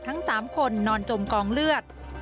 ทั้ง๓คนนอนจมกองเลือด